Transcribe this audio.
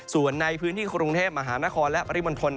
ส่วนในพื้นที่กรุงเทพมหานครและปริมณฑล